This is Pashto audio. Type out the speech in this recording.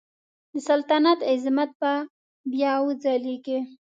د سلطنت عظمت به بیا وځلیږي.